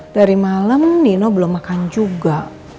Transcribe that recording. dari malam nino belum makan juga